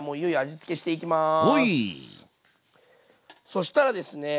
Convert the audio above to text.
そしたらですね